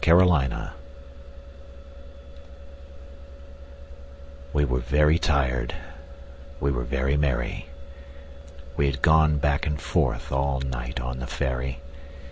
Recuerdo WE WERE very tired, we were very merry We had gone back and forth all night on the ferry.